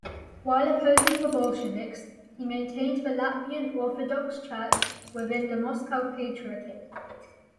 While opposing the Bolsheviks, he maintained the Latvian Orthodox Church within the Moscow Patriarchate.